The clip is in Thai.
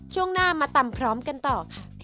ช่วงหน้ามาตำพร้อมกันต่อค่ะ